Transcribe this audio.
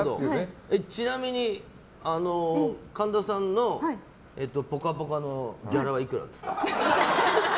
ちなみに神田さんの「ぽかぽか」のギャラはいくらですか？